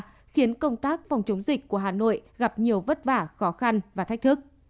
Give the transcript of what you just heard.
điều này đã khiến công tác phòng chống dịch của hà nội gặp nhiều vất vả khó khăn và thách thức